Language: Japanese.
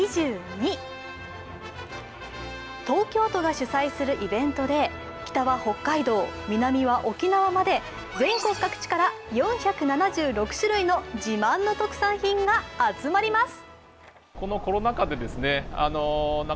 東京都が主催するイベントで、北は北海道、南は沖縄まで全国各地から４７６種類の自慢の特産品が集まります。